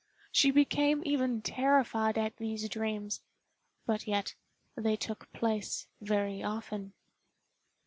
She became even terrified at these dreams; but yet they took place very often.